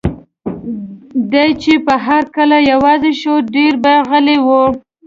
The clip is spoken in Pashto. دی چې به هر کله یوازې شو، ډېر به غلی و.